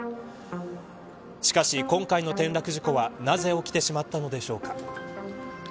しかし今回の転落事故はなぜ起きてしまったのでしょうか。